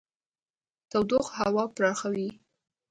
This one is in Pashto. تودوخه هوا پراخوي.